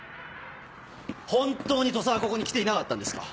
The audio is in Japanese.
本当に土佐はここに来ていなかったんですか？